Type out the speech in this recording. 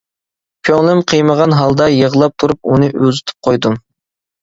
كۆڭلۈم قىيمىغان ھالدا، ، يىغلاپ تۇرۇپ ئۇنى ئۇزىتىپ قويدۇم.